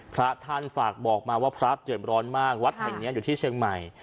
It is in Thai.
พระท่านฝากบอกมาว่าพระเดือดร้อนมากวัดแห่งนี้อยู่ที่เชียงใหม่